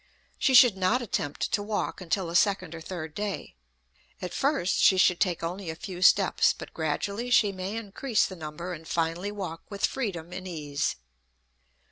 She should not attempt to walk until the second or third day. At first she should take only a few steps, but gradually she may increase the number and finally walk with freedom and ease.